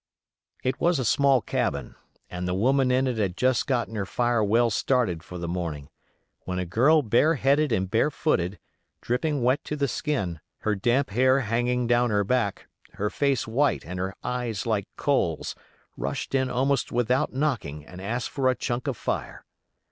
It was a small cabin, and the woman in it had just gotten her fire well started for the morning, when a girl bare headed and bare footed, dripping wet to the skin, her damp hair hanging down her back, her face white and her eyes like coals, rushed in almost without knocking and asked for a chunk of fire.